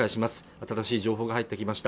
新しい情報が入ってきました